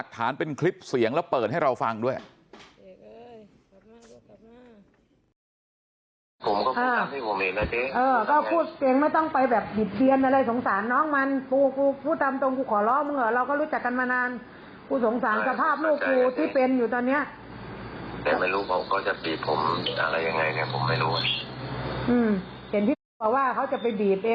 เด็กเอ้ยกลับมาด้วยกลับมา